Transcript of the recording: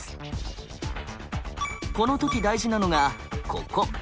この時大事なのがここ。